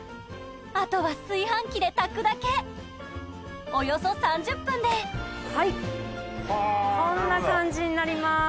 あとは炊飯器で炊くだけおよそ３０分ではいこんな感じになります！